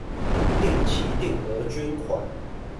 定期定額捐款